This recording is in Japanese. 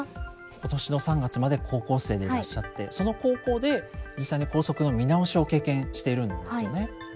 今年の３月まで高校生でいらっしゃってその高校で実際に校則の見直しを経験しているんですよね。